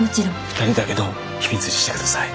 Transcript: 二人だけの秘密にしてください。